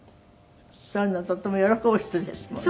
そういうのとっても喜ぶ人ですもんね。